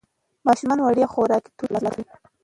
ماشومان وړیا خوراکي توکي ترلاسه کوي.